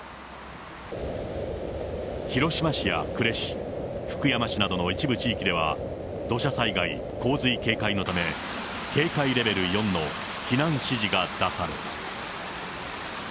広島市や呉市、福山市などの一部地域では、土砂災害洪水警戒のため、警戒レベル４の避難指示が出された。